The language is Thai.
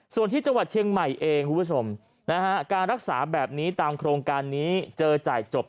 ส่วนที่จังหวัดเชียงใหม่เองคุณผู้ชมนะฮะการรักษาแบบนี้ตามโครงการนี้เจอจ่ายจบ